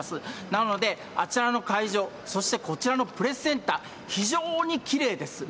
なので、あちらの会場、そしてこちらのプレスセンター、非常にきれいです。